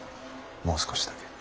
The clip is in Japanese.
もう少しだけ。